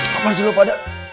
kepar dulu pak dek